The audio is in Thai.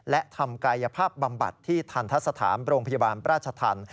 และทำกายภาพบำบัดที่ทันทะสถานโรงพยาบาลราชธรรม